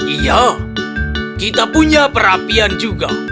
iya kita punya perapian juga